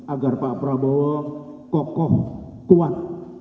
agar pak prabowo kokoh kuat